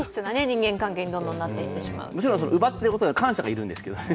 もちろん奪っていくことには感謝が要るんですけどね。